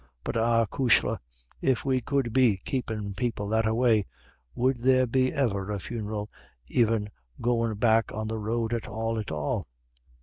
But ah, acushla, if we could be keepin' people that a way, would there be e'er a funeral iver goin' black on the road at all at all?